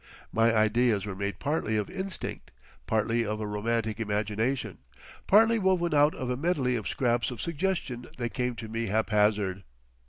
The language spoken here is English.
My ideas were made partly of instinct, partly of a romantic imagination, partly woven out of a medley of scraps of suggestion that came to me haphazard.